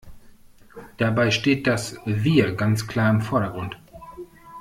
Dabei steht das Wir ganz klar im Vordergrund.